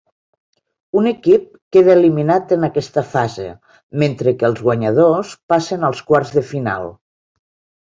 Un equip queda eliminat en aquesta fase, mentre que els guanyadors passen als quarts de final.